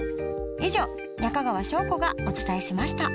以上中川翔子がお伝えしました。